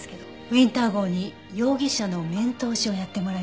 ウィンター号に容疑者の面通しをやってもらいます。